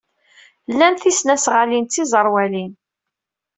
Lan tisnasɣalin d tiẓerwalin.